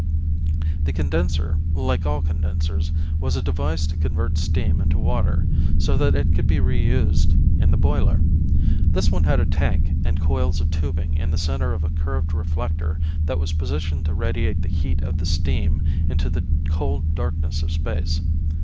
The condenser, like all condensers, was a device to convert steam into water, so that it could be reused in the boiler. This one had a tank and coils of tubing in the center of a curved reflector that was positioned to radiate the heat of the steam into the cold darkness of space.